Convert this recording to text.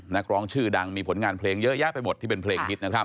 นักร้องชื่อดังมีผลงานเพลงเยอะแยะไปหมดที่เป็นเพลงฮิตนะครับ